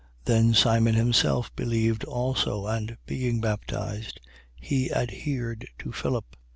8:13. Then Simon himself believed also and, being baptized, he adhered to Philip.